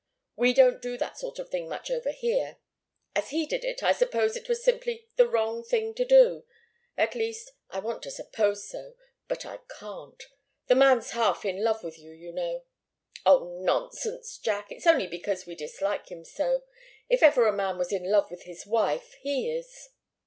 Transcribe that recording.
We don't do that sort of thing much over here. As he did it, I suppose it was simply the wrong thing to do. At least, I want to suppose so, but I can't. The man's half in love with you, you know." "Oh, nonsense, Jack! It's only because we dislike him so. If ever a man was in love with his wife, he is."